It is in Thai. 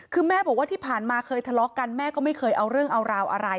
คือแม่บอกว่าที่ผ่านมาเคยทะเลาะกันแม่ก็ไม่เคยเอาเรื่องเอาราวอะไร